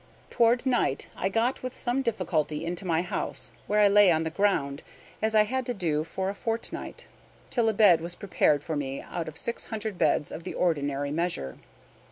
Toward night I got with some difficulty into my house, where I lay on the ground, as I had to do for a fortnight, till a bed was prepared for me out of six hundred beds of the ordinary measure.